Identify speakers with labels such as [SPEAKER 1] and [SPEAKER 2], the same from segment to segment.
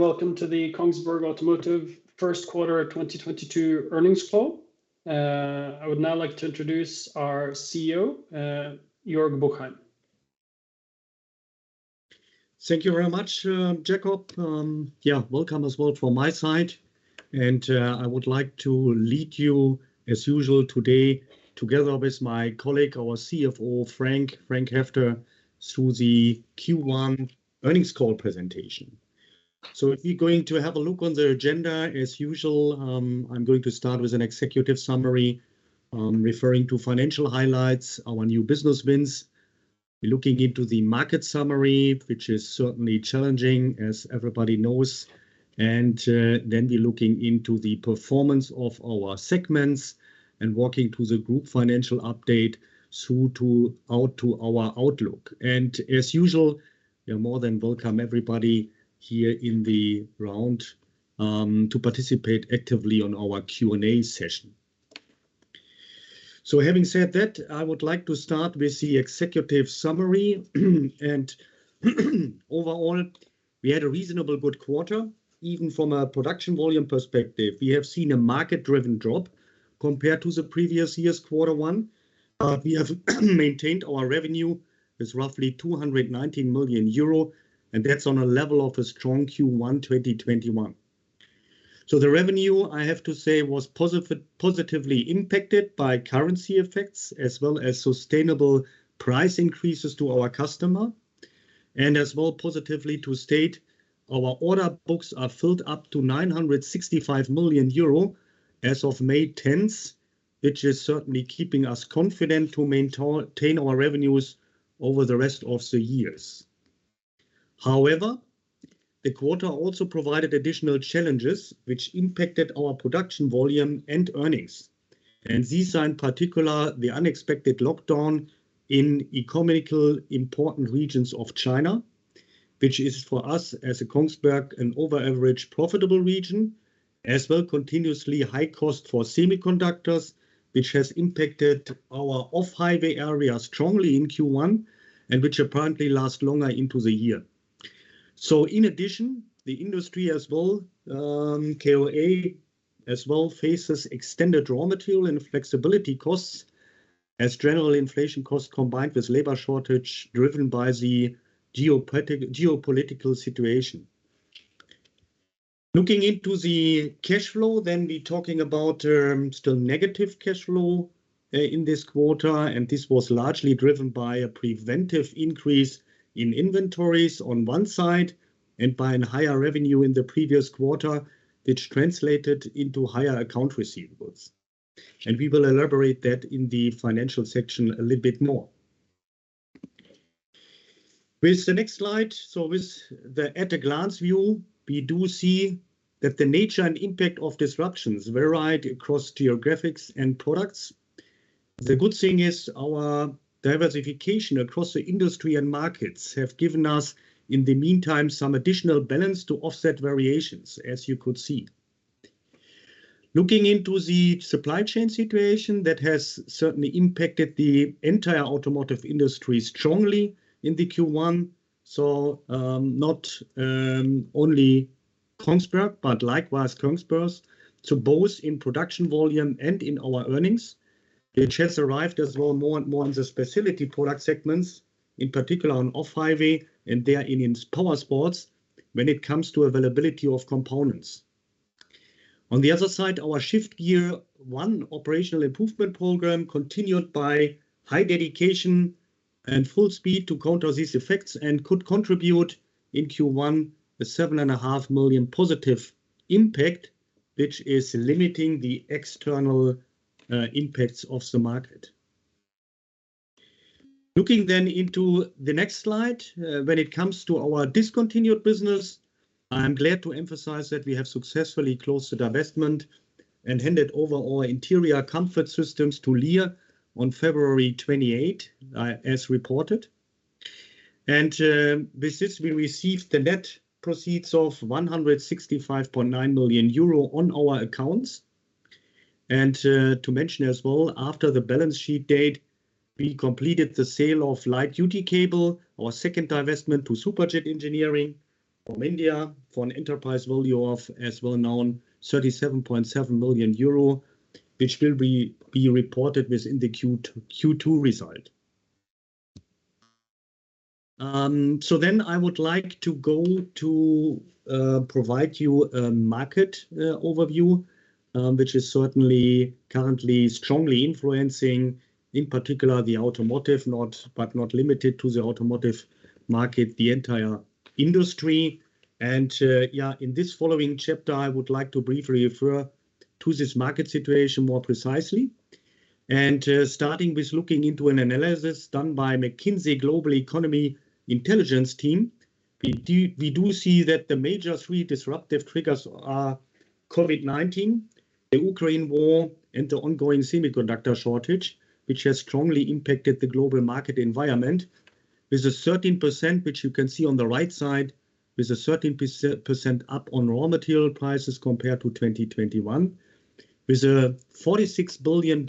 [SPEAKER 1] Welcome to the Kongsberg Automotive First Quarter 2022 Earnings Call. I would now like to introduce our CEO, Joerg Buchheim.
[SPEAKER 2] Thank you very much, Jacob. Yeah, welcome as well from my side. I would like to lead you as usual today together with my colleague, our CFO, Frank Heffter, through the Q1 Earnings Call presentation. If you're going to have a look on the agenda as usual, I'm going to start with an executive summary, referring to financial highlights, our new business wins. Looking into the market summary, which is certainly challenging as everybody knows. Then we're looking into the performance of our segments and walking through the group financial update through to our outlook. As usual, you're more than welcome everybody here in the round, to participate actively on our Q&A session. Having said that, I would like to start with the executive summary. Overall, we had a reasonably good quarter, even from a production volume perspective. We have seen a market-driven drop compared to the previous year's Q1. We have maintained our revenue with roughly 290 million euro, and that's on a level of a strong Q1 2021. The revenue, I have to say, was positively impacted by currency effects as well as sustainable price increases to our customer. As well, positive to state our order books are filled up to 965 million euro as of May 10, which is certainly keeping us confident to maintain our revenues over the rest of the years. However, the quarter also provided additional challenges, which impacted our production volume and earnings. These are in particular the unexpected lockdown in economically important regions of China, which is for us as a Kongsberg an above-average profitable region, as well continuously high cost for semiconductors, which has impacted our Off-Highway area strongly in Q1, and which apparently last longer into the year. In addition, the industry as well, KOA as well faces extended raw material and freight costs as general inflation costs combined with labor shortage driven by the geopolitical situation. Looking into the cash flow, then we're talking about still negative cash flow in this quarter, and this was largely driven by a preventive increase in inventories on one side and by a higher revenue in the previous quarter, which translated into higher accounts receivable. We will elaborate that in the financial section a little bit more. With the next slide, so with the at-a-glance view, we do see that the nature and impact of disruptions vary across geographies and products. The good thing is our diversification across the industry and markets have given us, in the meantime, some additional balance to offset variations, as you could see. Looking into the supply chain situation, that has certainly impacted the entire automotive industry strongly in the Q1. Not only Kongsberg, but likewise Kongsberg's peers. Both in production volume and in our earnings, which has arrived as well more and more in the specialty product segments, in particular on Off-Highway and there in Powersports when it comes to availability of components. On the other side, our Shift Gear one operational improvement program continued with high dedication and full speed to counter these effects and could contribute in Q1 a 7.5 million positive impact, which is limiting the external, impacts of the market. Looking then into the next slide, when it comes to our discontinued business, I am glad to emphasize that we have successfully closed the divestment and handed over our Interior Comfort Systems to Lear on February 28, as reported. With this we received the net proceeds of 165.9 million euro on our accounts. To mention as well, after the balance sheet date, we completed the sale of Light Duty Cables, our second divestment to Suprajit Engineering from India, for an enterprise value of, as well known, 37.7 million euro, which will be reported within the Q2 result. I would like to go to provide you a market overview, which is certainly currently strongly influencing, in particular the automotive, but not limited to the automotive market, the entire industry. In this following chapter, I would like to briefly refer to this market situation more precisely. Starting with looking into an analysis done by McKinsey Global Economics Intelligence team, we see that the major three disruptive triggers are COVID-19, the Ukraine war, and the ongoing semiconductor shortage, which has strongly impacted the global market environment. With a 13%, which you can see on the right side, with a 13% up on raw material prices compared to 2021. With a $46 billion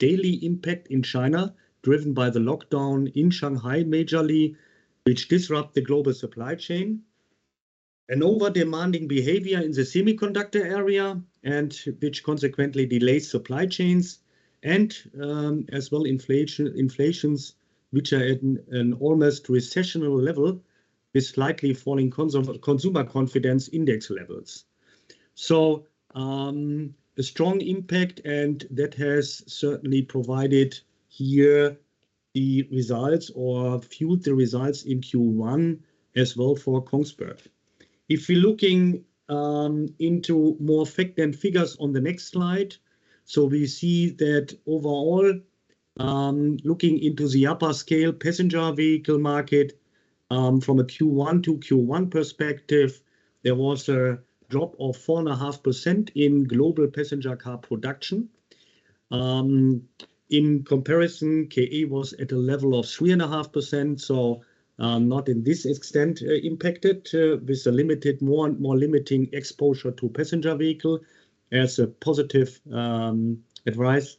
[SPEAKER 2] daily impact in China, driven by the lockdown in Shanghai majorly, which disrupt the global supply chain. An over-demanding behavior in the semiconductor area and which consequently delays supply chains and, as well, inflation, which are at an almost recessionary level, with slightly falling consumer confidence index levels. A strong impact, and that has certainly provided here the results or fueled the results in Q1 as well for Kongsberg. If we're looking into more facts and figures on the next slide. We see that overall, looking into the upscale passenger vehicle market, from a Q1 to Q1 perspective, there was a drop of 4.5% in global passenger car production. In comparison, KA was at a level of 3.5%, so not in this extent impacted, with a limited more and more limiting exposure to passenger vehicle as a positive aspect.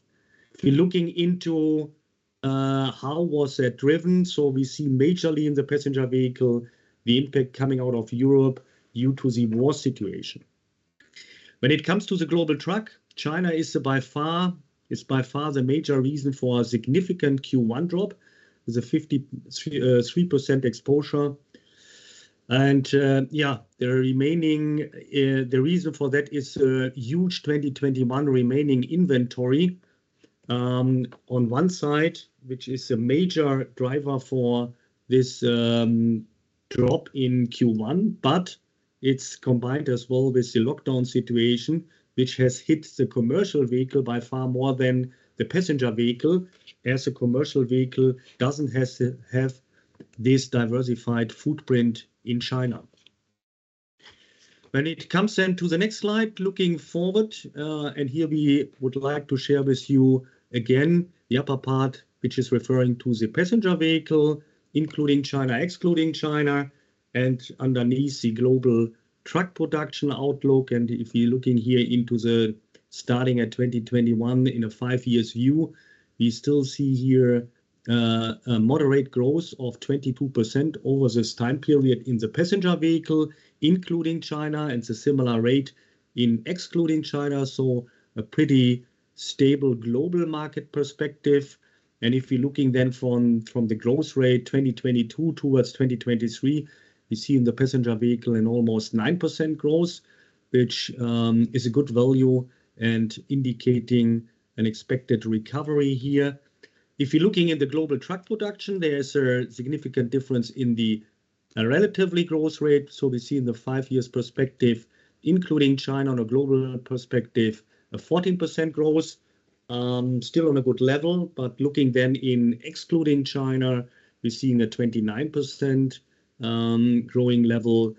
[SPEAKER 2] If you're looking into how was that driven, we see majorly in the passenger vehicle, the impact coming out of Europe due to the war situation. When it comes to the global truck, China is by far the major reason for a significant Q1 drop with a 53% exposure. The reason for that is huge 2021 remaining inventory on one side, which is a major driver for this drop in Q1, but it's combined as well with the lockdown situation, which has hit the commercial vehicle by far more than the passenger vehicle, as a commercial vehicle doesn't have this diversified footprint in China. When it comes then to the next slide, looking forward, and here we would like to share with you again the upper part, which is referring to the passenger vehicle, including China, excluding China, and underneath the global truck production outlook. If you're looking here into the starting at 2021 in a five-year view, we still see here a moderate growth of 22% over this time period in the passenger vehicle, including China, and a similar rate, excluding China. A pretty stable global market perspective. If you're looking then from the growth rate, 2022 towards 2023, we see in the passenger vehicle an almost 9% growth, which is a good value and indicating an expected recovery here. If you're looking at the global truck production, there is a significant difference in the relative growth rate. We see in the 5-year perspective, including China on a global perspective, a 14% growth, still on a good level, but looking then, excluding China, we're seeing a 29% growth level.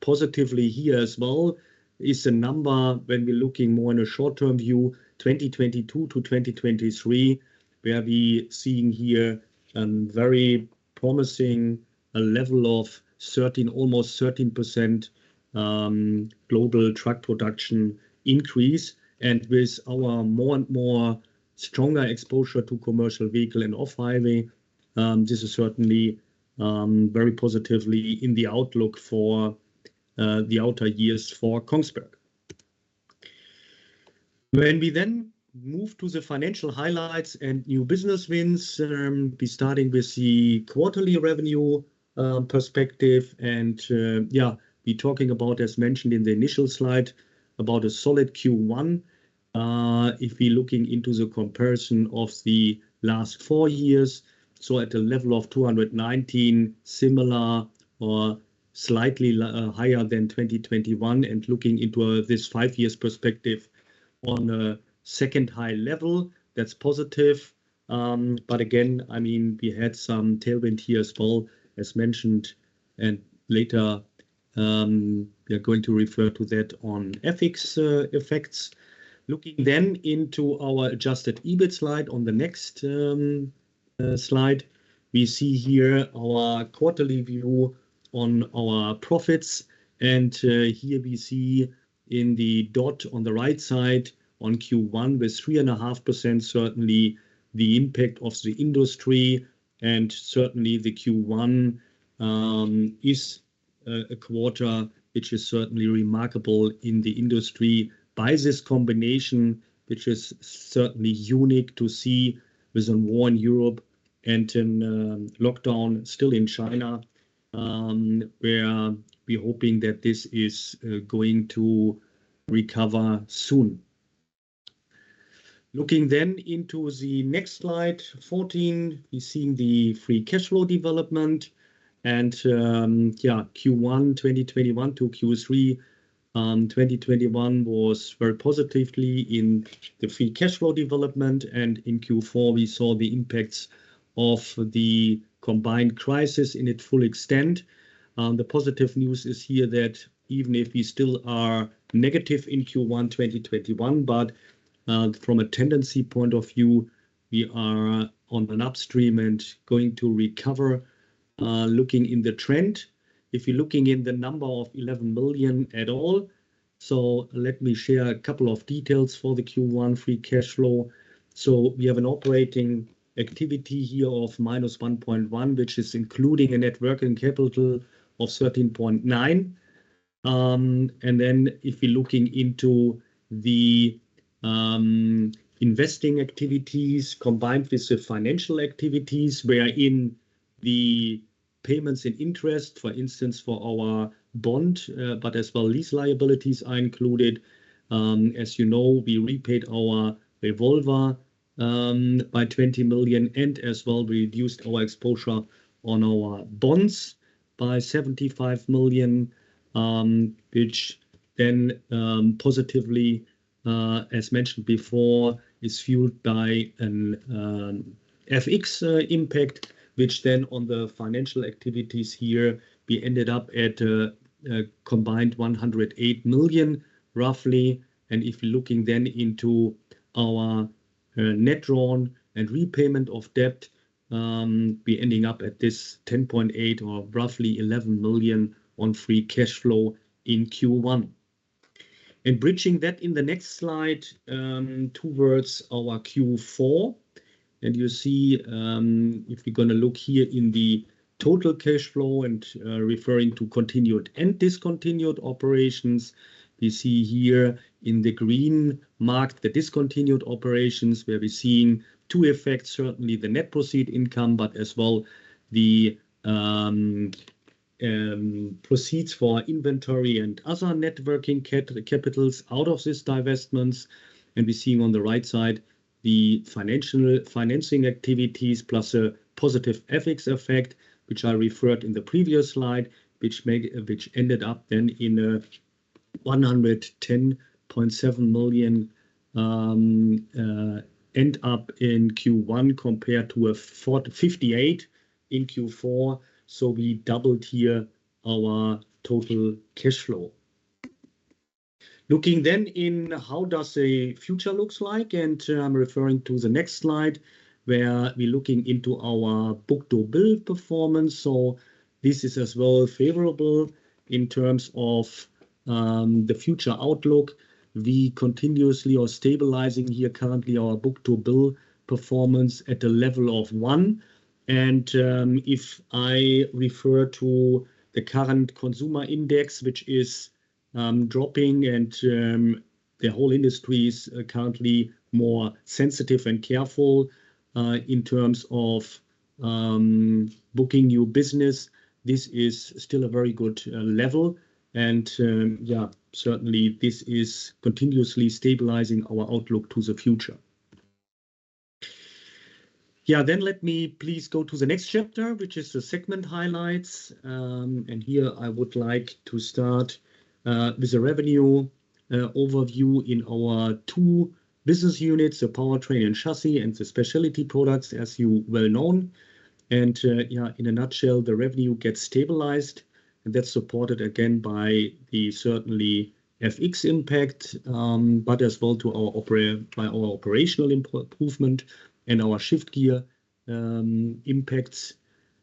[SPEAKER 2] Positively here as well is a number when we're looking more in a short-term view, 2022-2023, where we seeing here very promising a level of 13, almost 13% global truck production increase. With our more and more stronger exposure to commercial vehicle and Off-Highway, this is certainly very positively in the outlook for the outer years for Kongsberg. When we then move to the financial highlights and new business wins, we starting with the quarterly revenue perspective and, yeah, we talking about, as mentioned in the initial slide, about a solid Q1. If we're looking into the comparison of the last four years, so at a level of 219, similar or slightly higher than 2021, and looking into this five years perspective on a second high level, that's positive. Again, I mean, we had some tailwind here as well, as mentioned, and later we are going to refer to that on FX effects. Looking into our adjusted EBIT slide on the next slide. We see here our quarterly view on our profits. Here we see in the dot on the right side on Q1 with 3.5%, certainly the impact of the industry and certainly the Q1 is a quarter which is certainly remarkable in the industry by this combination, which is certainly unique to see with the war in Europe and lockdown still in China, where we're hoping that this is going to recover soon. Looking then into the next slide, 14, we're seeing the free cash flow development and yeah, Q1 2021 to Q3 2021 was very positively in the free cash flow development and in Q4, we saw the impacts of the combined crisis in its full extent. The positive news is here that even if we still are negative in Q1 2021, but from a tendency point of view, we are on an upswing and going to recover, looking at the trend. If you're looking at the number of 11 million in total, let me share a couple of details for the Q1 free cash flow. We have an operating activity here of -1.1 million, which is including a net working capital of 13.9 million. Then if you're looking into the investing activities combined with the financial activities, where the payments and interest, for instance, for our bond, but as well, these liabilities are included. As you know, we repaid our revolver by 20 million, and as well we reduced our exposure on our bonds by 75 million, which then, positively, as mentioned before, is fueled by an FX impact. Which then on the financial activities here, we ended up at a combined 108 million roughly. If looking then into our net drawn and repayment of debt, we ending up at this 10.8 or roughly 11 million on free cash flow in Q1. Bridging that in the next slide towards our Q4. You see, if you're gonna look here in the total cash flow and, referring to continued and discontinued operations, we see here in the green marked the discontinued operations, where we're seeing two effects, certainly the net proceeds, but as well the proceeds for inventory and other net working capital out of this divestments. We're seeing on the right side the financing activities, plus a positive FX effect, which I referred in the previous slide, which ended up then in 110.7 million in Q1 compared to 58 million in Q4. We doubled here our total cash flow. Looking in how does the future looks like, and I'm referring to the next slide, where we're looking into our book-to-bill performance. This is as well favorable in terms of the future outlook. We continuously are stabilizing here currently our book-to-bill performance at a level of one. If I refer to the current consumer index, which is dropping and the whole industry is currently more sensitive and careful in terms of booking new business, this is still a very good level. Certainly this is continuously stabilizing our outlook to the future. Let me please go to the next chapter, which is the segment highlights. Here I would like to start with the revenue overview in our two business units, the Powertrain and Chassis, and the specialty products as you well know. Yeah, in a nutshell, the revenue gets stabilized, and that's supported again by the certainly FX impact, but as well by our operational improvement and our Shift Gear impact.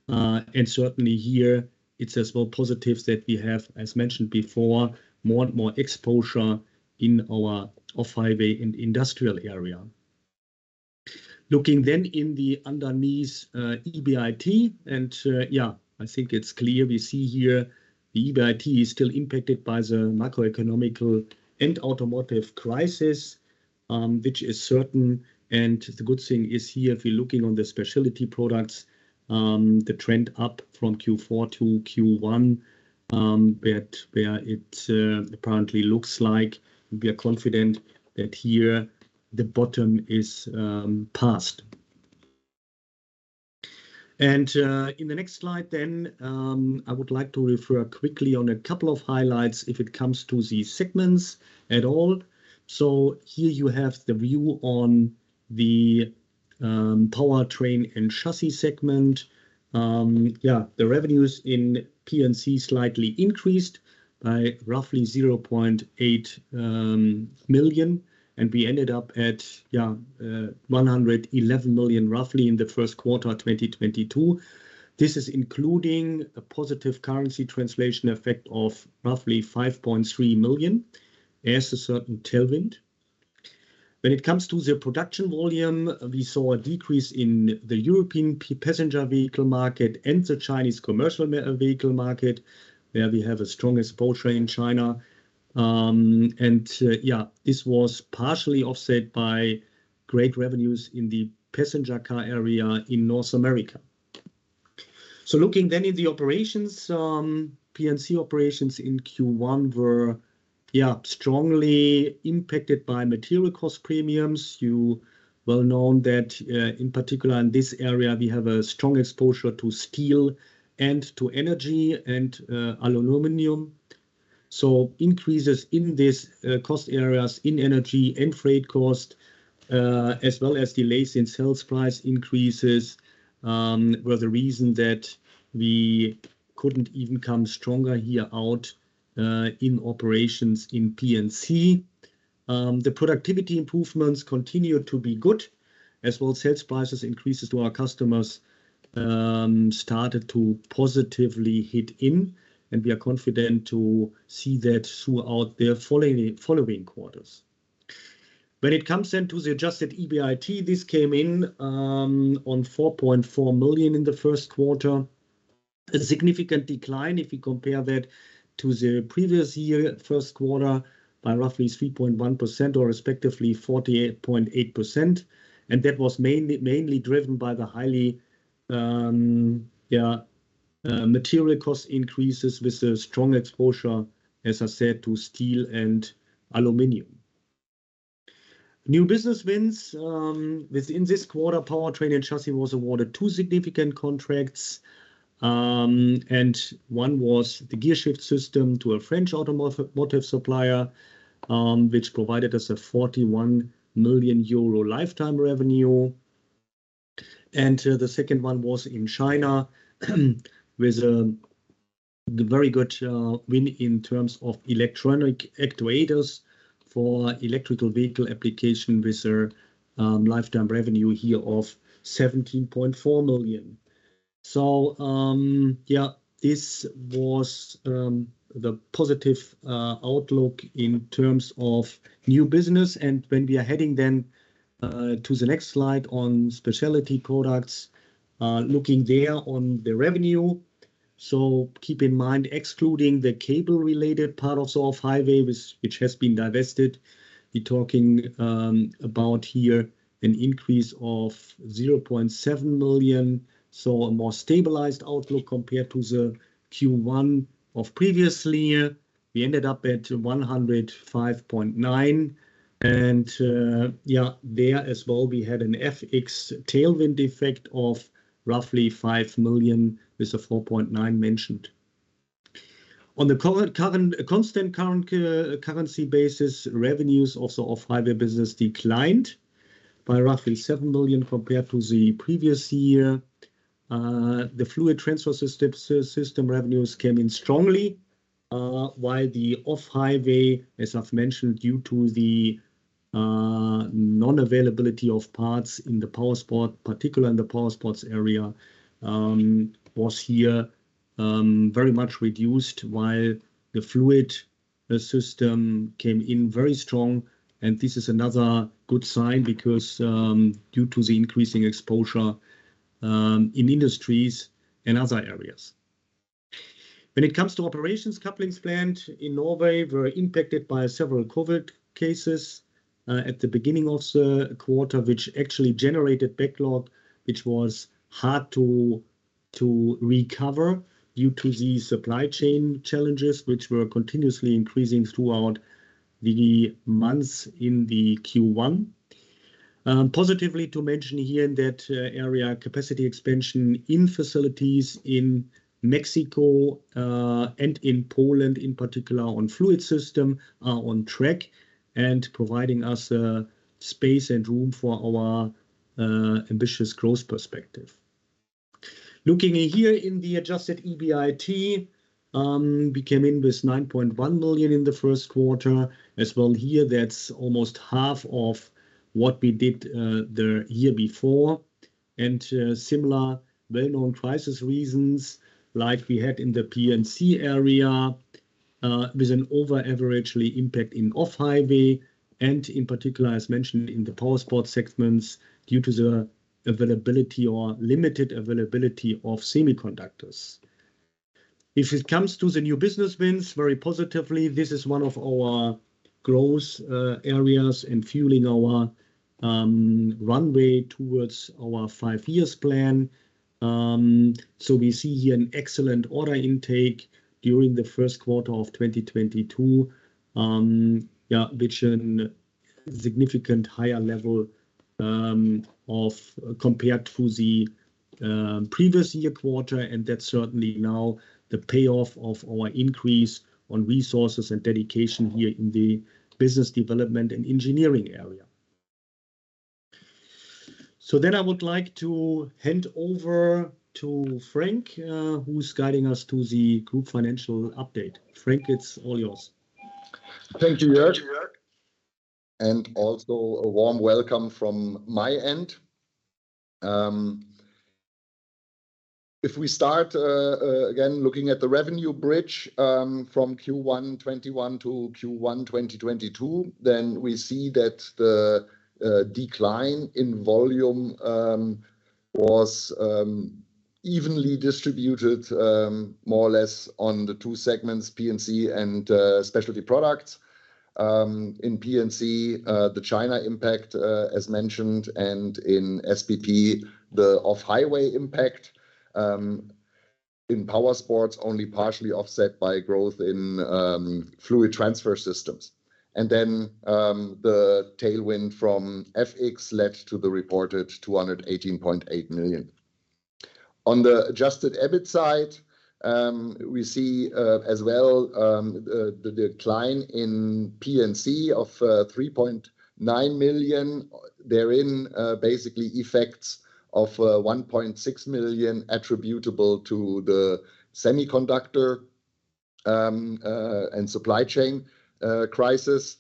[SPEAKER 2] Certainly here it's as well positives that we have, as mentioned before, more and more exposure in our Off-Highway and industrial area. Looking in the underneath, EBIT and, yeah, I think it's clear we see here the EBIT is still impacted by the macroeconomic and automotive crisis, which is certain. The good thing is here, if you're looking on the specialty products, the trend up from Q4 to Q1, but where it apparently looks like we are confident that here the bottom is passed. In the next slide then, I would like to refer quickly on a couple of highlights if it comes to these segments at all. Here you have the view on the Powertrain and Chassis segment. The revenues in P&C slightly increased by roughly 0.8 million, and we ended up at roughly 111 million in the first quarter of 2022. This is including a positive currency translation effect of roughly 5.3 million as a certain tailwind. When it comes to the production volume, we saw a decrease in the European passenger vehicle market and the Chinese commercial vehicle market, where we have a strong exposure in China. This was partially offset by great revenues in the passenger car area in North America. Looking in the operations, P&C operations in Q1 were strongly impacted by material cost premiums. As you well know that in particular in this area, we have a strong exposure to steel and to energy and aluminum. Increases in these cost areas in energy and freight cost, as well as delays in sales price increases, were the reason that we couldn't even come out stronger here in operations in P&C. The productivity improvements continue to be good as well as sales price increases to our customers started to positively hit in, and we are confident to see that throughout the following quarters. The adjusted EBIT came in at 4.4 million in the first quarter. A significant decline if you compare that to the previous year first quarter by roughly 3.1% or respectively 48.8%, and that was mainly driven by the high material cost increases with a strong exposure, as I said, to steel and aluminum. New business wins. Within this quarter, Powertrain and Chassis was awarded two significant contracts. One was the gearshift system to a French automotive supplier, which provided us a 41 million euro lifetime revenue. The second one was in China with a very good win in terms of electric actuators for electric vehicle application with a lifetime revenue here of 17.4 million. This was the positive outlook in terms of new business. When we are heading then to the next slide on specialty products, looking there on the revenue. Keep in mind, excluding the cable related part of Off-Highway which has been divested. We're talking about here an increase of 0.7 million, so a more stabilized outlook compared to the Q1 of previous year. We ended up at 105.9 million. There as well, we had an FX tailwind effect of roughly 5 million, with the 4.9 mentioned. On the constant currency basis, revenues also Off-Highway business declined by roughly 7 million compared to the previous year. The Fluid Transfer Systems revenues came in strongly, while the Off-Highway, as I've mentioned, due to the non-availability of parts in the powersports, particularly in the powersports area, was very much reduced, while the Fluid Systems came in very strong. This is another good sign because due to the increasing exposure in industries and other areas. When it comes to operations, Couplings plant in Norway were impacted by several COVID cases at the beginning of the quarter, which actually generated backlog, which was hard to recover due to the supply chain challenges, which were continuously increasing throughout the months in the Q1. Positively to mention here in that area, capacity expansion in facilities in Mexico and in Poland, in particular on Fluid Transfer Systems, are on track and providing us space and room for our ambitious growth perspective. Looking here in the adjusted EBIT, we came in with 9.1 million in the first quarter. As well here, that's almost half of what we did the year before. Similar well-known crisis reasons like we had in the P&C area, with an above-average impact in Off-Highway and in particular, as mentioned, in the Powersports segments, due to the availability or limited availability of semiconductors. If it comes to the new business wins, very positively, this is one of our growth areas in fueling our runway towards our five years plan. We see here an excellent order intake during the first quarter of 2022, which is at a significantly higher level compared to the previous year quarter, and that's certainly the payoff of our increase in resources and dedication here in the business development and engineering area. I would like to hand over to Frank, who's guiding us through the group financial update. Frank, it's all yours.
[SPEAKER 3] Thank you, Joerg. Also a warm welcome from my end. If we start again looking at the revenue bridge from Q1 2021 to Q1 2022, then we see that the decline in volume was evenly distributed more or less on the two segments, P&C and Specialty Products. In P&C, the China impact as mentioned, and in SPP, the Off-Highway impact in Powersports only partially offset by growth in Fluid Transfer Systems. The tailwind from FX led to the reported 218.8 million. On the adjusted EBIT side, we see as well the decline in P&C of 3.9 million. Therein, basically effects of 1.6 million attributable to the semiconductor and supply chain crisis.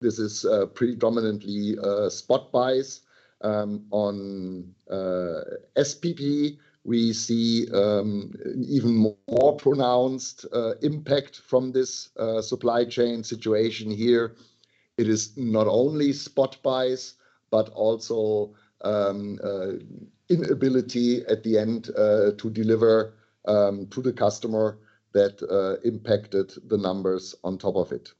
[SPEAKER 3] This is predominantly spot buys. On SPP, we see even more pronounced impact from this supply chain situation here. It is not only spot buys, but also inability at the end to deliver to the customer that impacted the numbers on top of it.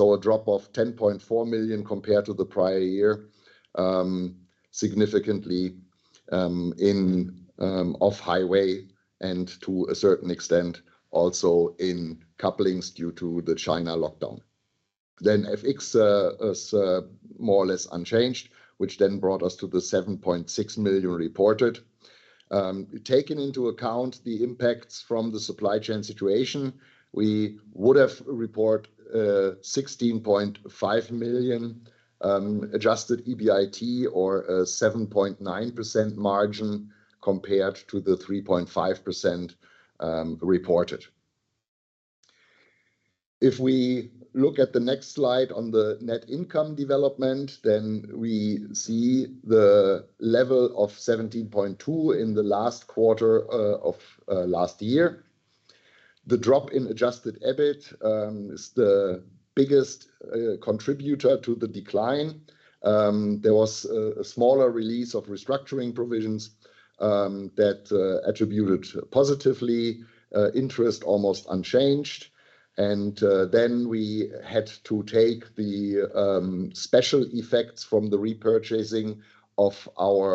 [SPEAKER 3] A drop of 10.4 million compared to the prior year, significantly in Off-Highway and to a certain extent, also in Couplings due to the China lockdown. FX is more or less unchanged, which then brought us to the 7.6 million reported. Taking into account the impacts from the supply chain situation, we would have reported 16.5 million adjusted EBIT or a 7.9% margin compared to the 3.5% reported. If we look at the next slide on the net income development, then we see the level of 17.2 million in the last quarter of last year. The drop in adjusted EBIT is the biggest contributor to the decline. There was a smaller release of restructuring provisions that contributed positively. Interest almost unchanged. We had to take the special effects from the repurchasing of our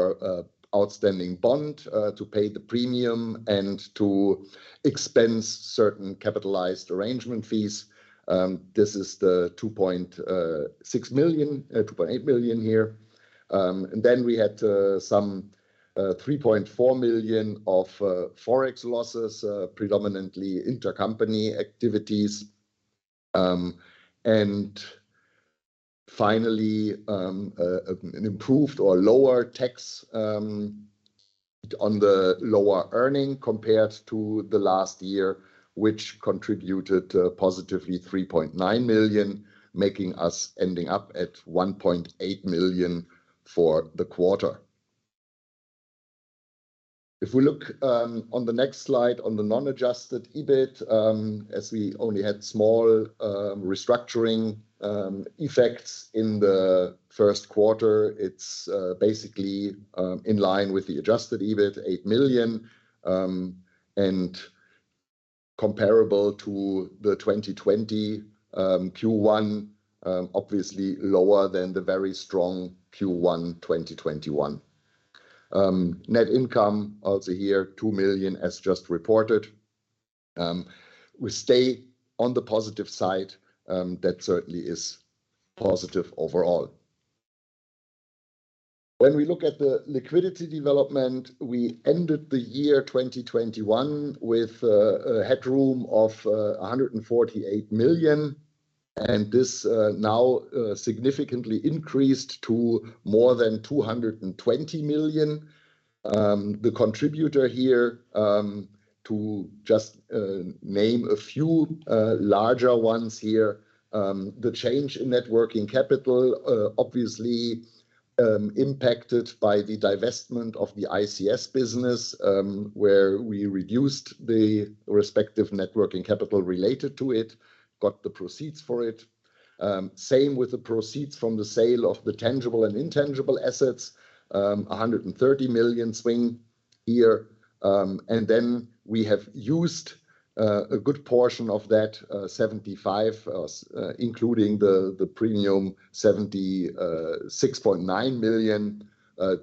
[SPEAKER 3] outstanding bond to pay the premium and to expense certain capitalized arrangement fees. This is the 2.8 million here. We had some 3.4 million of FX losses, predominantly intercompany activities. Finally, an improved or lower tax on the lower earnings compared to the last year, which contributed positively 3.9 million, making us end up at 1.8 million for the quarter. If we look on the next slide on the non-adjusted EBIT, as we only had small restructuring effects in the first quarter, it's basically in line with the adjusted EBIT, 8 million, and comparable to the 2020 Q1, obviously lower than the very strong Q1 2021. Net income of the year, 2 million as just reported. We stay on the positive side. That certainly is positive overall. When we look at the liquidity development, we ended the year 2021 with a headroom of 148 million, and this now significantly increased to more than 220 million. The contributor here to just name a few larger ones here, the change in net working capital obviously impacted by the divestment of the ICS business, where we reduced the respective net working capital related to it, got the proceeds for it. Same with the proceeds from the sale of the tangible and intangible assets, a 130 million swing here. We have used a good portion of that 75 million, including the premium 76.9 million,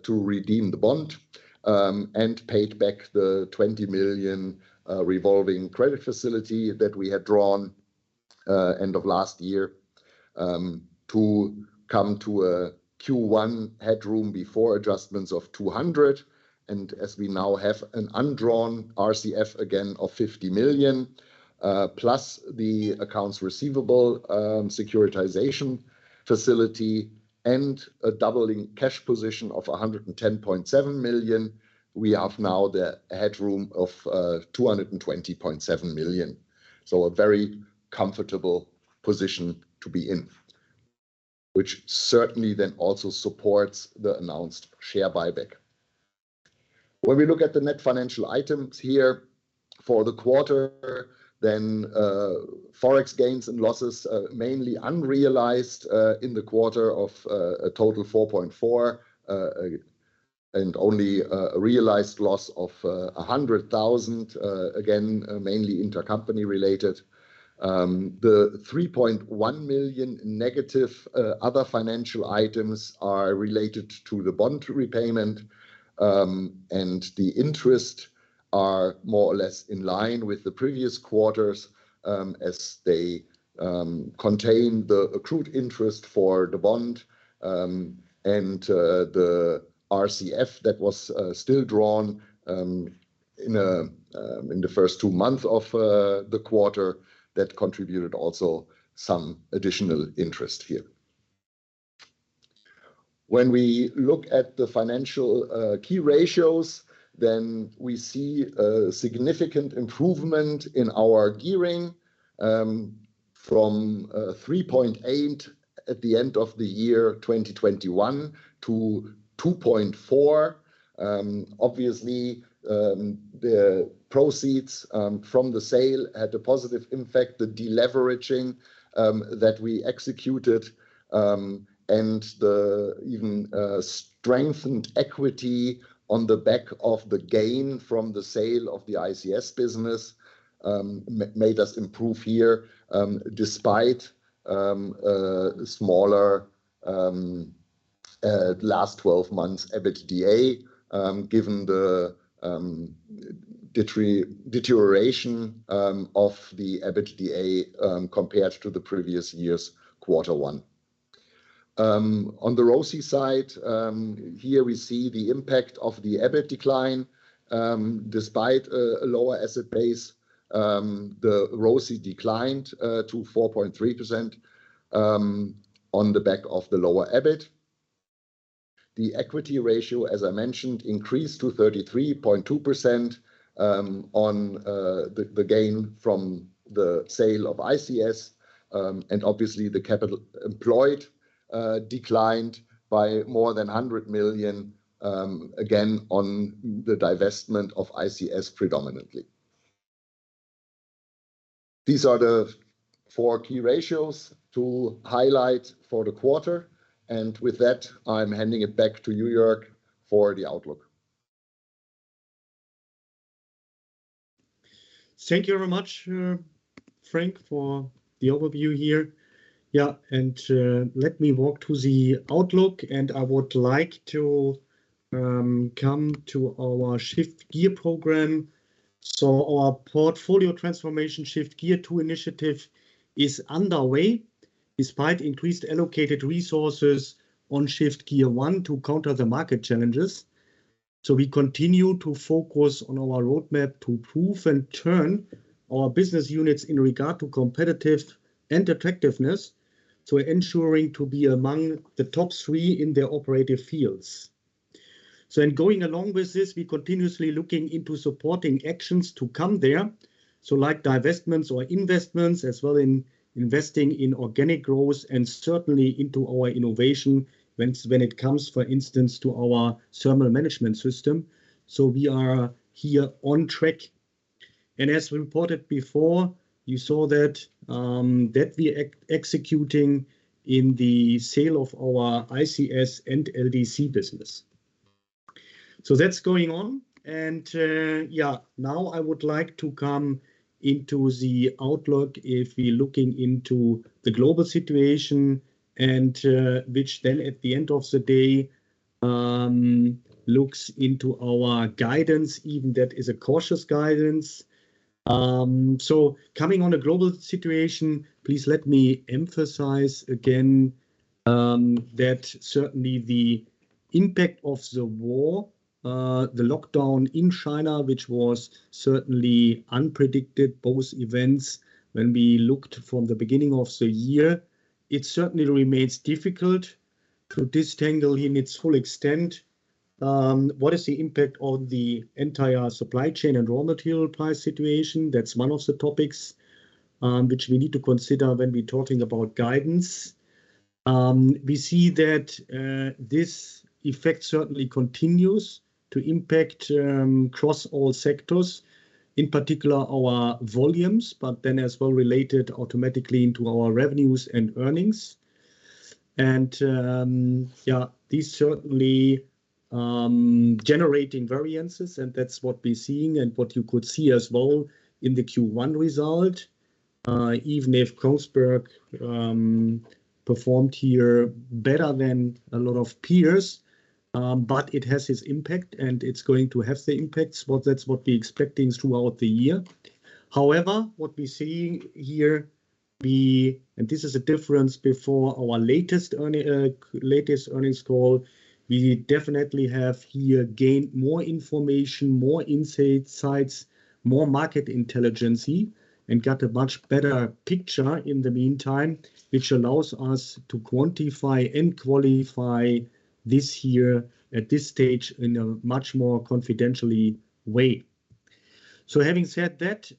[SPEAKER 3] to redeem the bond and paid back the 20 million revolving credit facility that we had drawn end of last year, to come to a Q1 headroom before adjustments of 200 million. As we now have an undrawn RCF again of 50 million, plus the accounts receivable securitization facility, and a doubled cash position of 110.7 million, we have now the headroom of 220.7 million. A very comfortable position to be in, which certainly then also supports the announced share buyback. When we look at the net financial items here for the quarter, then FX gains and losses, mainly unrealized, in the quarter of a total 4.4, and only a realized loss of 100,000, again mainly intercompany related. The 3.1 million negative other financial items are related to the bond repayment, and the interest are more or less in line with the previous quarters, as they contain the accrued interest for the bond, and the RCF that was still drawn in the first two months of the quarter that contributed also some additional interest here. When we look at the financial key ratios, then we see a significant improvement in our gearing, from 3.8 at the end of the year 2021 to 2.4. Obviously, the proceeds from the sale had a positive effect. The deleveraging that we executed and the even strengthened equity on the back of the gain from the sale of the ICS business made us improve here, despite smaller last twelve months EBITDA, given the deterioration of the EBITDA compared to the previous year's quarter one. On the ROCE side, here we see the impact of the EBIT decline. Despite a lower asset base, the ROCE declined to 4.3%, on the back of the lower EBIT. The equity ratio, as I mentioned, increased to 33.2%, on the gain from the sale of ICS. Obviously the capital employed declined by more than 100 million, again, on the divestment of ICS predominantly. These are the four key ratios to highlight for the quarter. With that, I'm handing it back to you Joerg for the outlook.
[SPEAKER 2] Thank you very much, Frank, for the overview here. Yeah. Let me walk to the outlook, and I would like to come to our Shift Gear program. Our portfolio transformation Shift Gear Two initiative is underway, despite increased allocated resources on Shift Gear one to counter the market challenges. We continue to focus on our roadmap to improve and turn our business units in regard to competitiveness and attractiveness. Ensuring to be among the top three in their operative fields. In going along with this, we continuously looking into supporting actions to get there, like divestments or investments, as well as investing in organic growth and certainly into our innovation when it comes, for instance, to our thermal management system. We are here on track. As reported before, you saw that we are executing in the sale of our ICS and LDC business. That's going on. Yeah, now I would like to come into the outlook. If we're looking into the global situation and which then at the end of the day looks into our guidance, even that is a cautious guidance. Coming to the global situation, please let me emphasize again that certainly the impact of the war, the lockdown in China, which was certainly unpredicted, both events, when we looked from the beginning of the year, it certainly remains difficult to disentangle in its full extent what is the impact on the entire supply chain and raw material price situation. That's one of the topics which we need to consider when we're talking about guidance. We see that this effect certainly continues to impact across all sectors, in particular our volumes, but then as well relates automatically into our revenues and earnings. This certainly is generating variances, and that's what we're seeing and what you could see as well in the Q1 result. Even if Kongsberg performed here better than a lot of peers, it has its impact, and it's going to have the impacts. That's what we're expecting throughout the year. However, what we're seeing here. This is different from before our latest earnings call. We definitely have here gained more information, more insights, more market intelligence, and got a much better picture in the meantime, which allows us to quantify and qualify this year at this stage in a much more confident way. Having said that,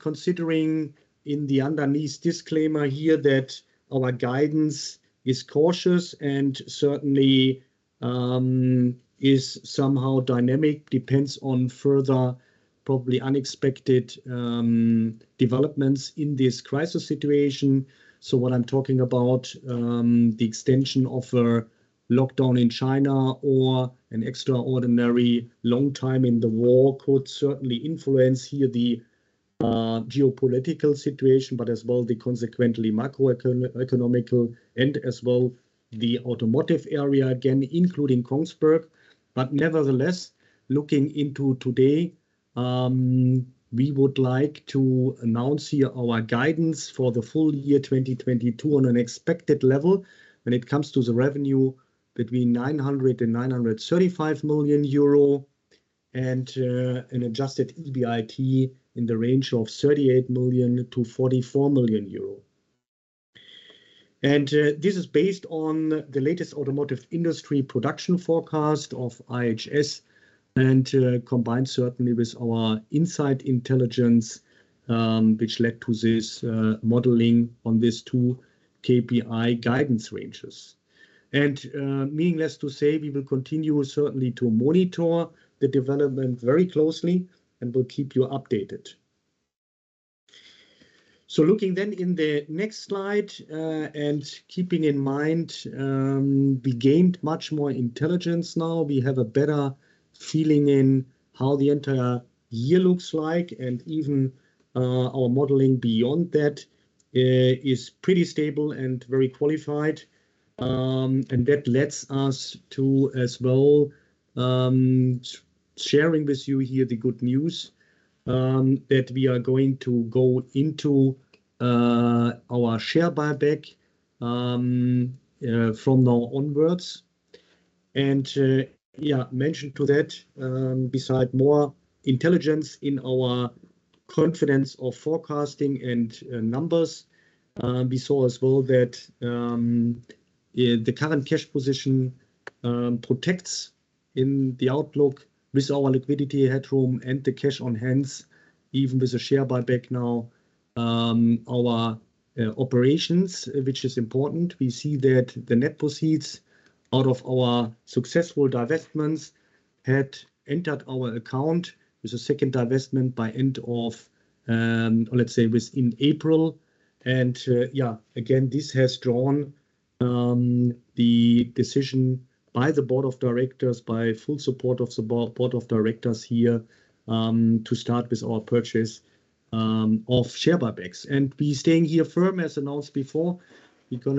[SPEAKER 2] considering the underlying disclaimer here that our guidance is cautious and certainly is somehow dynamic, depends on further probably unexpected developments in this crisis situation. What I'm talking about, the extension of a lockdown in China or an extraordinarily long time in the war could certainly influence here the geopolitical situation, but as well the consequent macroeconomic and as well the automotive area, again, including Kongsberg. Nevertheless, looking at today, we would like to announce here our guidance for the full year 2022 on an expected level when it comes to the revenue between 900 million euro and 935 million euro. An adjusted EBIT in the range of 38 million to 44 million euro. This is based on the latest automotive industry production forecast of IHS and, combined certainly with our inside intelligence, which led to this modeling on these two KPI guidance ranges. Needless to say, we will continue certainly to monitor the development very closely and will keep you updated. Looking then in the next slide and keeping in mind we gained much more intelligence now. We have a better feeling in how the entire year looks like and even our modeling beyond that is pretty stable and very qualified. That lets us to as well sharing with you here the good news that we are going to go into our share buyback from now onwards. In addition to that, besides more intelligence in our confidence of forecasting and numbers, we saw as well that the current cash position protects in the outlook with our liquidity headroom and the cash on hand, even with the share buyback now. Our operations, which is important, we see that the net proceeds out of our successful divestments had entered our account with the second divestment by end of, let's say within April. Again, this has led to the decision by the board of directors, by full support of the board of directors here, to start with our share buyback. We're staying firm as announced before. We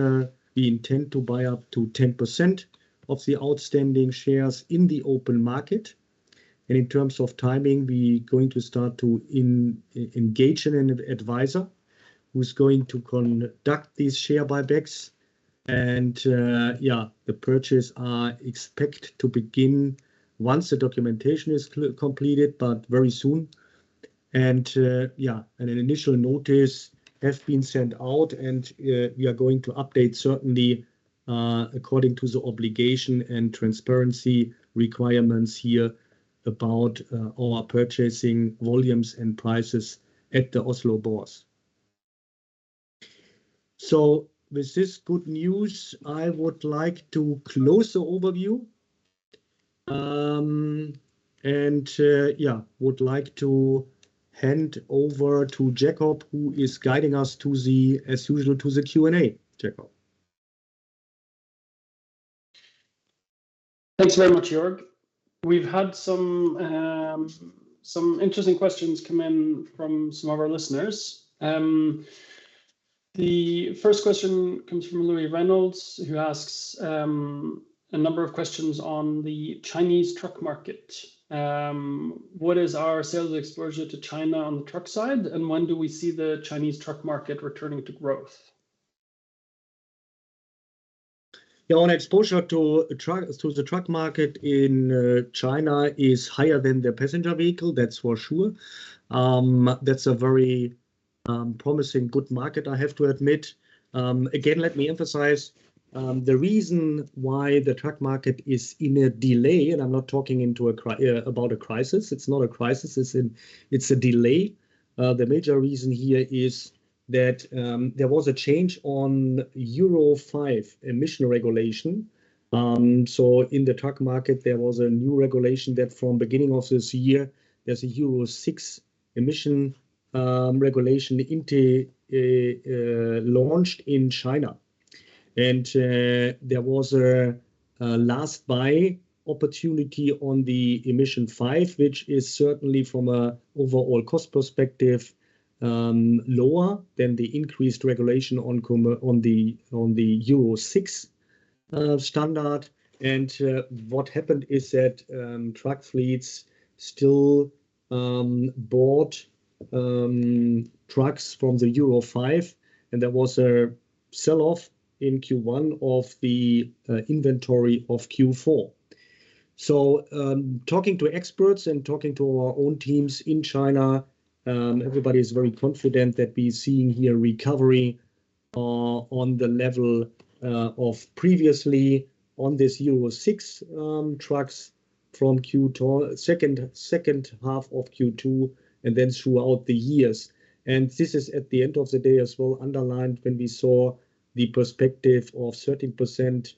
[SPEAKER 2] intend to buy up to 10% of the outstanding shares in the open market. In terms of timing, we're going to engage an advisor who's going to conduct these share buybacks. The purchases are expected to begin once the documentation is completed, but very soon. An initial notice has been sent out, and we are going to update certainly according to the obligation and transparency requirements here about our purchasing volumes and prices at the Oslo Bourse. With this good news, I would like to close the overview. Would like to hand over to Jacob, who is guiding us, as usual, to the Q&A. Jacob?
[SPEAKER 1] Thanks very much, Joerg. We've had some interesting questions come in from some of our listeners. The first question comes from Louis Reynolds, who asks a number of questions on the Chinese truck market. What is our sales exposure to China on the truck side, and when do we see the Chinese truck market returning to growth?
[SPEAKER 2] Our exposure to the truck market in China is higher than the passenger vehicle, that's for sure. That's a very promising, good market, I have to admit. Again, let me emphasize, the reason why the truck market is in a delay, and I'm not talking about a crisis. It's not a crisis, it's a delay. The major reason here is that there was a change in Euro 5 emission regulation. In the truck market, there was a new regulation that from beginning of this year, there's a Euro 6 emission regulation launched in China. There was a last buy opportunity on the Euro 5, which is certainly from an overall cost perspective lower than the increased regulation on the Euro 6 standard. What happened is that truck fleets still bought trucks from the Euro 5, and there was a sell-off in Q1 of the inventory of Q4. Talking to experts and talking to our own teams in China, everybody is very confident that we're seeing here recovery on the level of previously on this Euro 6 trucks from the second half of Q2, and then throughout the years. This is, at the end of the day as well, underlined when we saw the perspective of 13%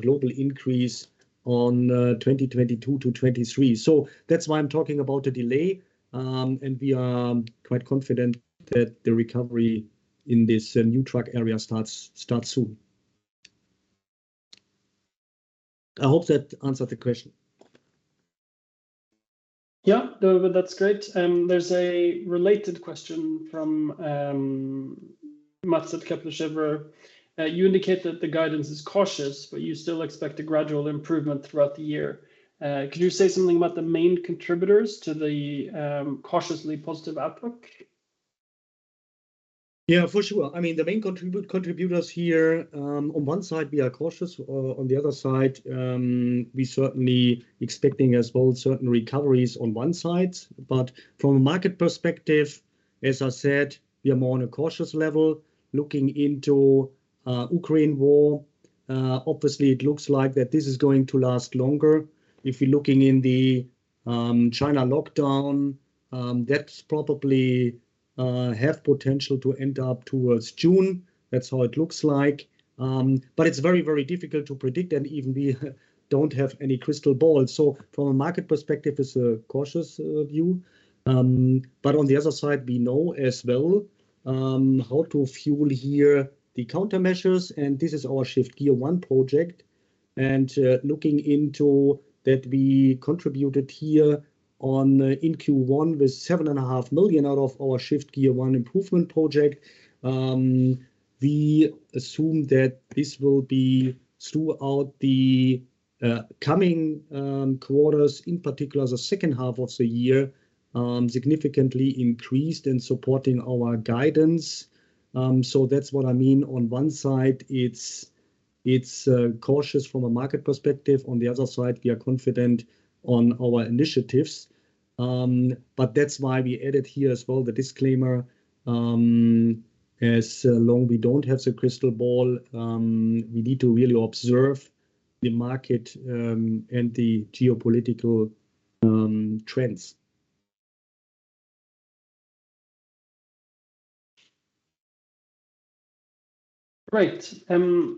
[SPEAKER 2] global increase on 2022 to 2023. That's why I'm talking about the delay. We are quite confident that the recovery in this new truck area starts soon. I hope that answered the question.
[SPEAKER 1] Yeah. No, but that's great. There's a related question from Mats at Kepler Cheuvreux. You indicate that the guidance is cautious, but you still expect a gradual improvement throughout the year. Could you say something about the main contributors to the cautiously positive outlook?
[SPEAKER 2] Yeah, for sure. I mean, the main contributors here, on one side we are cautious. On the other side, we certainly expecting as well certain recoveries on one side. From a market perspective, as I said, we are more on a cautious level looking into Ukraine war. Obviously it looks like that this is going to last longer. If you're looking at the China lockdown, that's probably has potential to end up towards June. That's how it looks like. It's very, very difficult to predict, and even we don't have any crystal ball. From a market perspective, it's a cautious view. On the other side, we know as well how to fuel here the countermeasures, and this is our Shift Gear one project. Looking into that, we contributed here in Q1 with 7.05 Million out of our Shift Gear one improvement project. We assume that this will be throughout the coming quarters, in particular the second half of the year, significantly increased in supporting our guidance. That's what I mean. On one side it's cautious from a market perspective. On the other side, we are confident on our initiatives. That's why we added here as well the disclaimer, as long as we don't have the crystal ball, we need to really observe the market and the geopolitical trends.
[SPEAKER 1] Right.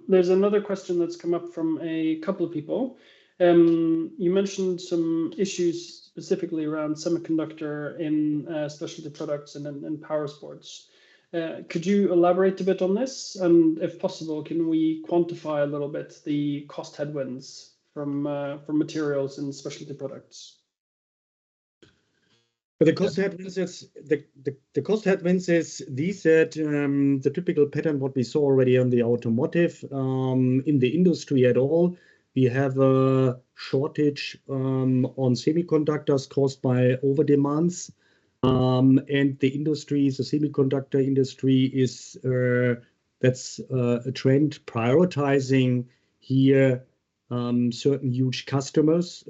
[SPEAKER 1] There's another question that's come up from a couple of people. You mentioned some issues specifically around semiconductor in specialty products and in Powersports. Could you elaborate a bit on this? If possible, can we quantify a little bit the cost headwinds from materials and specialty products?
[SPEAKER 2] The cost headwinds is these are the typical pattern what we saw already on the automotive. In the industry at all, we have a shortage on semiconductors caused by over demands. The semiconductor industry is. That's a trend prioritizing here certain huge customers.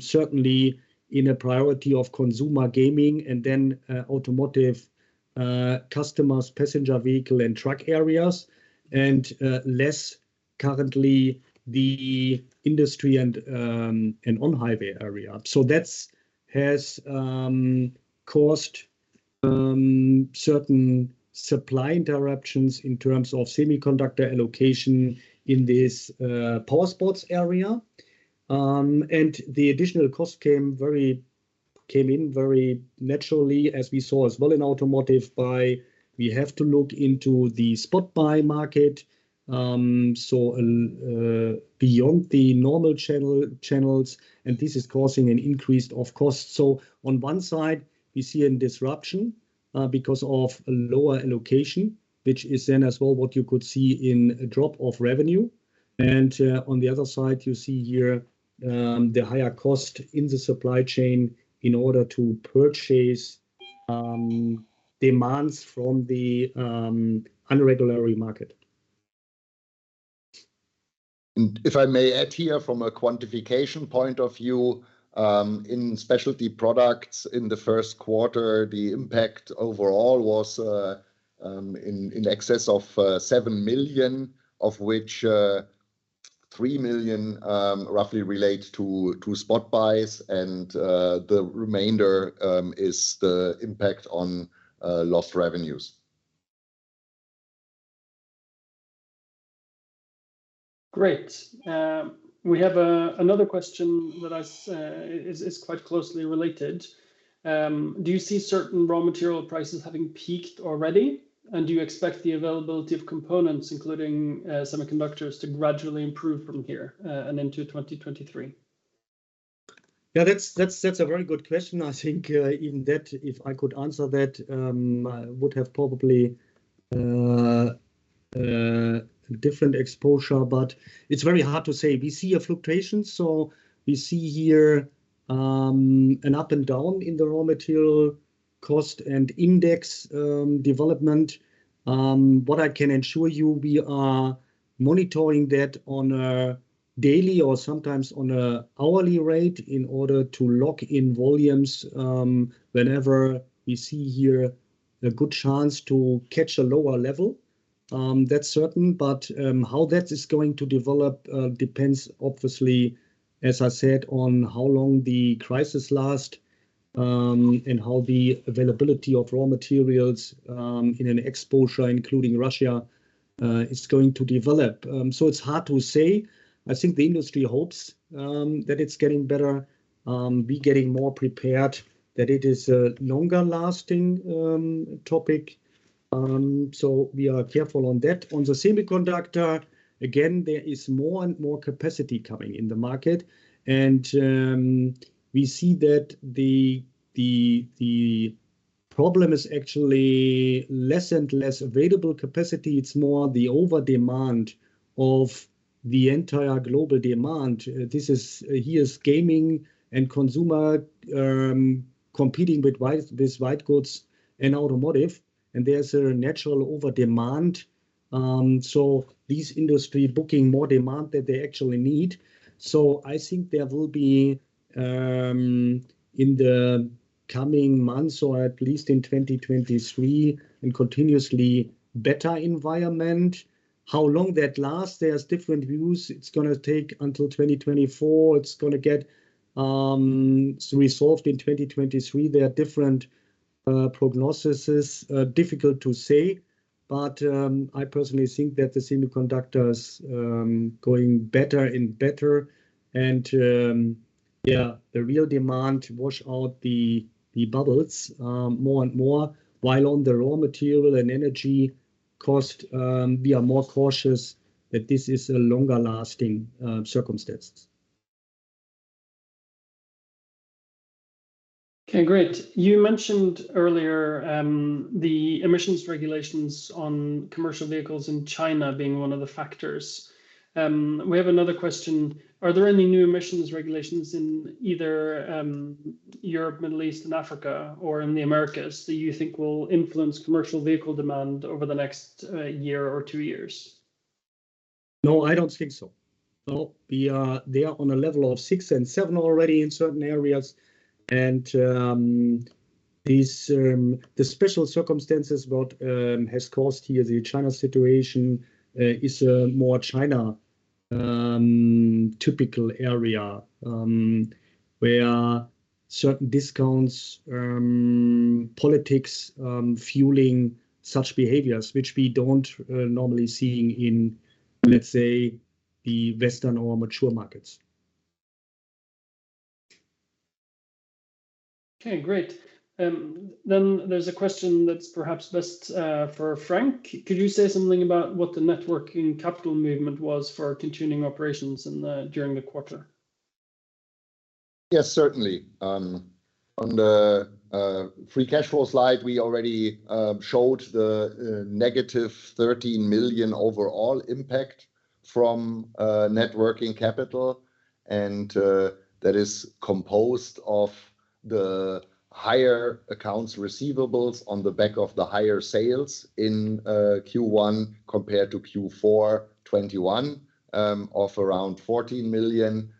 [SPEAKER 2] Certainly in a priority of consumer gaming and then automotive customers passenger vehicle and truck areas and less currently industrial and on-highway area. That has caused certain supply interruptions in terms of semiconductor allocation in this Powersports area. The additional cost came in very naturally as we saw as well in automotive. By we have to look into the spot buy market, beyond the normal channels, and this is causing an increase of cost. On one side, we see a disruption because of a lower allocation, which is then as well what you could see in a drop of revenue. On the other side, you see here the higher cost in the supply chain in order to purchase demands from the irregular market.
[SPEAKER 3] If I may add here from a quantification point of view, in specialty products in the first quarter, the impact overall was in excess of 7 million, of which 3 million roughly relate to spot buys, and the remainder is the impact on lost revenues.
[SPEAKER 1] Great. We have another question that is quite closely related. Do you see certain raw material prices having peaked already? Do you expect the availability of components, including semiconductors, to gradually improve from here and into 2023?
[SPEAKER 2] Yeah, that's a very good question. I think that if I could answer that, I would have probably different exposure, but it's very hard to say. We see a fluctuation, so we see here an up and down in the raw material cost and index development. What I can assure you, we are monitoring that on a daily or sometimes on an hourly rate in order to lock in volumes whenever we see here a good chance to catch a lower level. That's certain, but how that is going to develop depends obviously, as I said, on how long the crisis last and how the availability of raw materials and the exposure including Russia is going to develop. It's hard to say. I think the industry hopes that it's getting better. We're getting more prepared that it is a longer lasting topic. So we are careful on that. On the semiconductor, again, there is more and more capacity coming in the market, and we see that the problem is actually less and less available capacity. It's more the over-demand. The entire global demand, this is, here gaming and consumer competing with white goods and automotive, and there's a natural over-demand. So these industries booking more demand than they actually need. I think there will be, in the coming months, or at least in 2023, a continuously better environment. How long that lasts, there's different views. It's gonna take until 2024. It's gonna get resolved in 2023. There are different prognoses. Difficult to say, but I personally think that the semiconductors going better and better. Yeah, the real demand wash out the bubbles more and more. While on the raw material and energy cost, we are more cautious that this is a longer-lasting circumstances.
[SPEAKER 1] Okay, great. You mentioned earlier, the emissions regulations on commercial vehicles in China being one of the factors. We have another question. Are there any new emissions regulations in either, Europe, Middle East and Africa or in the Americas that you think will influence commercial vehicle demand over the next, year or two years?
[SPEAKER 2] No, I don't think so. No. They are on a level of six and seven already in certain areas, and these, the special circumstances what has caused here the China situation is a more China typical area. Where certain discounts, politics, fueling such behaviors, which we don't normally see in, let's say, the Western or mature markets.
[SPEAKER 1] Okay, great. There's a question that's perhaps best for Frank. Could you say something about what the net working capital movement was for continuing operations during the quarter?
[SPEAKER 3] Yes, certainly. On the free cash flow slide, we already showed the negative 13 million overall impact from net working capital. That is composed of the higher accounts receivable on the back of the higher sales in Q1 compared to Q4 2021, of around 14 million.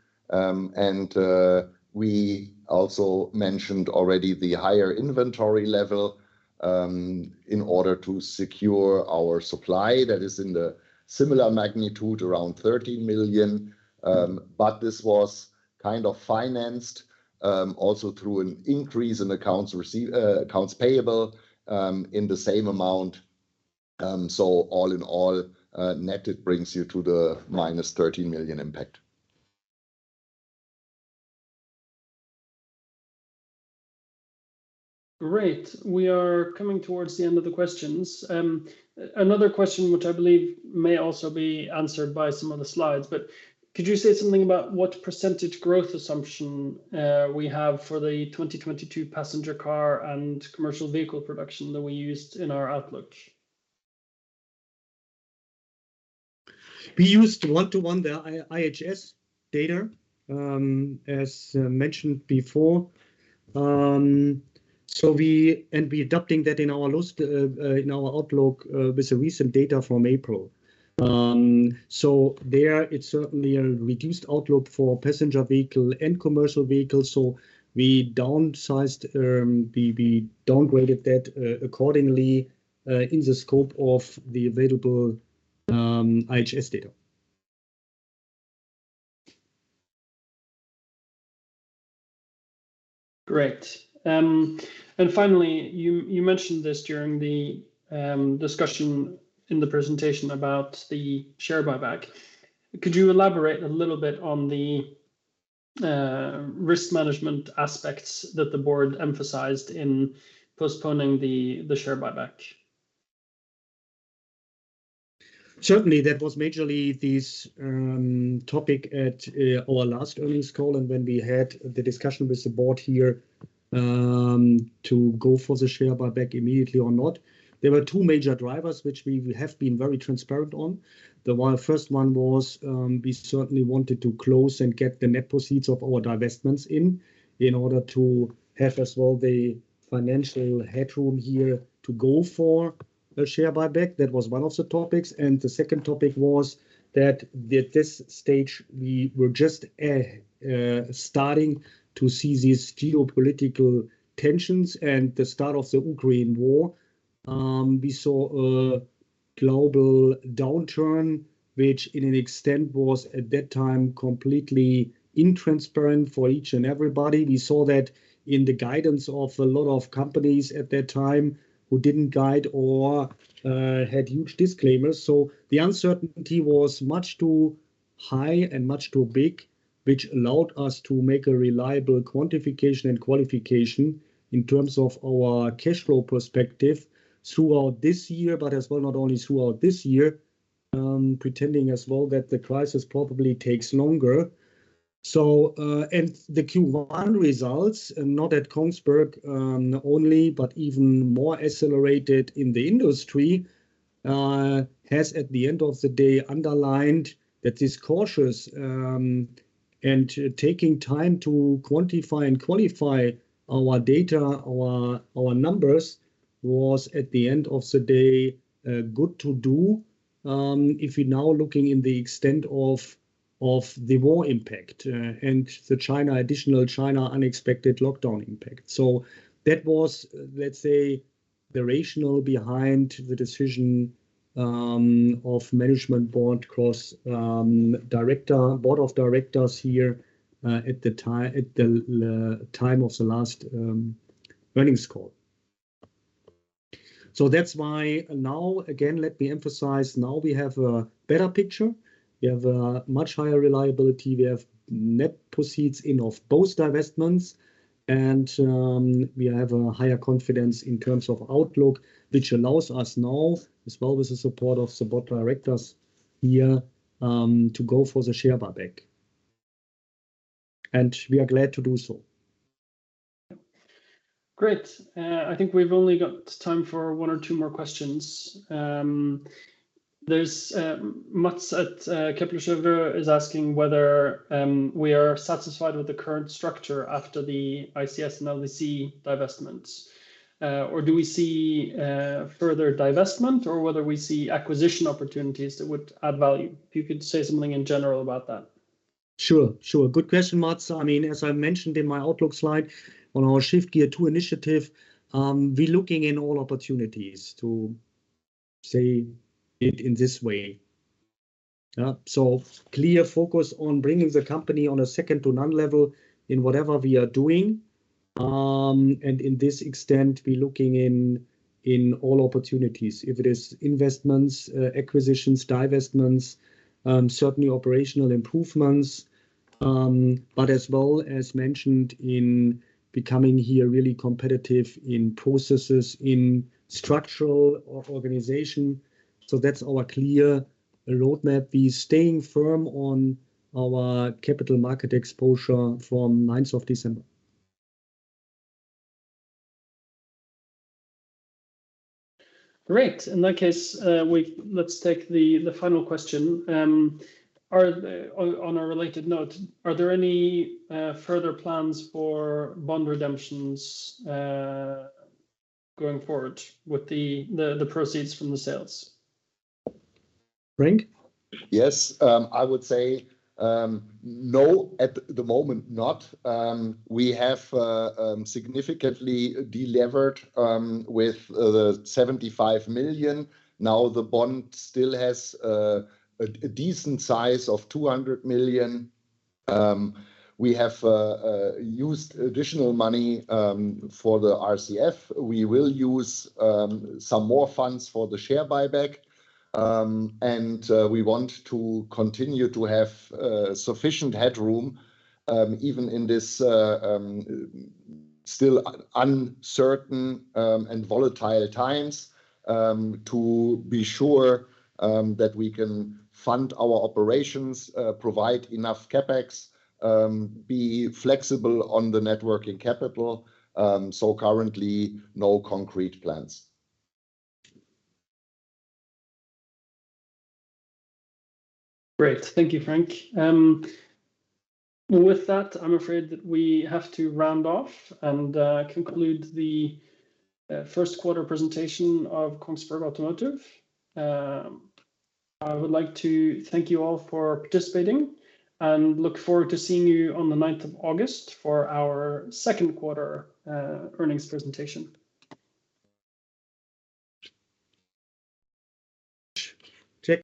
[SPEAKER 3] We also mentioned already the higher inventory level, in order to secure our supply that is in the similar magnitude, around 13 million. But this was kind of financed, also through an increase in accounts payable, in the same amount. All in all, net it brings you to the minus 13 million impact.
[SPEAKER 1] Great. We are coming towards the end of the questions. Another question which I believe may also be answered by some of the slides, but could you say something about what percentage growth assumption we have for the 2022 passenger car and commercial vehicle production that we used in our outlook?
[SPEAKER 2] We used one-to-one, the IHS data, as mentioned before. We're adopting that in our outlook with the recent data from April. Therefore it's certainly a reduced outlook for passenger vehicle and commercial vehicles. We downsized, we downgraded that accordingly in the scope of the available IHS data.
[SPEAKER 1] Great. Finally, you mentioned this during the discussion in the presentation about the share buyback. Could you elaborate a little bit on the risk management aspects that the board emphasized in postponing the share buyback?
[SPEAKER 2] Certainly. That was mainly this topic at our last earnings call, and when we had the discussion with the board here to go for the share buyback immediately or not. There were two major drivers which we have been very transparent on. The first one was we certainly wanted to close and get the net proceeds of our divestments in order to have as well the financial headroom here to go for a share buyback. That was one of the topics. The second topic was that at this stage we were just starting to see these geopolitical tensions and the start of the Ukraine war. We saw a global downturn, which to an extent was at that time completely intransparent for each and everybody. We saw that in the guidance of a lot of companies at that time who didn't guide or had huge disclaimers. The uncertainty was much too high and much too big, which allowed us to make a reliable quantification and qualification in terms of our cash flow perspective throughout this year, but as well not only throughout this year, pretending as well that the crisis probably takes longer. The Q1 results, not at Kongsberg only, but even more accelerated in the industry, has, at the end of the day, underlined that is cautious, and taking time to quantify and qualify our data, our numbers was, at the end of the day, good to do, if you're now looking in the extent of the war impact, and the additional China unexpected lockdown impact. That was, let's say, the rationale behind the decision of the management board and board of directors here at the time of the last earnings call. That's why now, again, let me emphasize, now we have a better picture. We have a much higher visibility. We have net proceeds from both divestments, and we have a higher confidence in terms of outlook, which allows us now, as well as the support of the board of directors here, to go for the share buyback. We are glad to do so.
[SPEAKER 1] Great. I think we've only got time for one or two more questions. There's Mats at Kepler Cheuvreux is asking whether we are satisfied with the current structure after the ICS and LDC divestments. Or do we see further divestment or whether we see acquisition opportunities that would add value? If you could say something in general about that.
[SPEAKER 2] Sure. Good question, Mats. I mean, as I mentioned in my outlook slide on our Shift Gear Two initiative, we're looking into all opportunities to say it in this way. Clear focus on bringing the company to a second-to-none level in whatever we are doing. To this extent, we're looking into all opportunities, if it is investments, acquisitions, divestments, certainly operational improvements, but as well as mentioned in becoming here really competitive in processes, in structure of organization. That's our clear roadmap. We're staying firm on our capital market exposure from ninth of December.
[SPEAKER 1] Great. In that case, let's take the final question. On a related note, are there any further plans for bond redemptions, going forward with the proceeds from the sales? Frank?
[SPEAKER 3] Yes. I would say no, at the moment not. We have significantly delevered with the 75 million. Now, the bond still has a decent size of 200 million. We have used additional money for the RCF. We will use some more funds for the share buyback. We want to continue to have sufficient headroom, even in this still uncertain and volatile times, to be sure that we can fund our operations, provide enough CapEx, be flexible on the net working capital. Currently, no concrete plans.
[SPEAKER 1] Great. Thank you, Frank. With that, I'm afraid that we have to round off and conclude the first quarter presentation of Kongsberg Automotive. I would like to thank you all for participating and look forward to seeing you on the ninth of August for our second quarter earnings presentation.
[SPEAKER 2] Thank you.